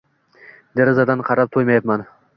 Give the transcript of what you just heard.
Derazadan qarab to`ymayapman